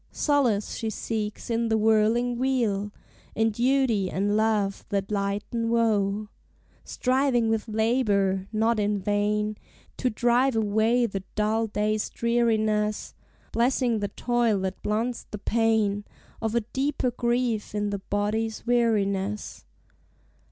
Solace she seeks in the whirling wheel, In duty and love that lighten woe; Striving with labor, not in vain, To drive away the dull day's dreariness, Blessing the toil that blunts the pain Of a deeper grief in the body's weariness.